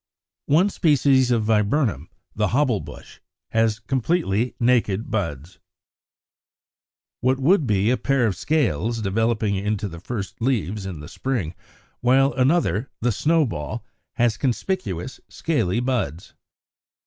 One species of Viburnum, the Hobble bush, has completely naked buds, what would be a pair of scales developing into the first leaves in spring; while another (the Snowball) has conspicuous scaly buds.